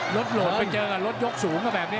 โหลดไปเจอกับรถยกสูงก็แบบนี้